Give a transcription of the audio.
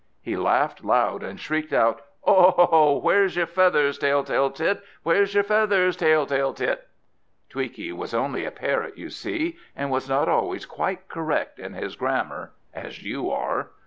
He laughed loud and shrieked out, "Oh oh oh! Where's your feathers, Tell tale tit? Where's your feathers, Tell tale tit?" Tweaky was only a parrot, you see, and was not always quite correct in his grammar, as you are.